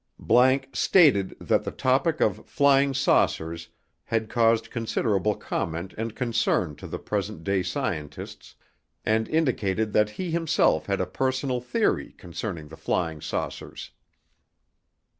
____ stated that the topic of "flying saucers" had caused considerable comment and concern to the present day scientists and indicated that he himself had a personal theory concerning the "flying saucers".